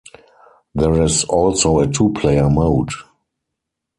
There is also a two player mode.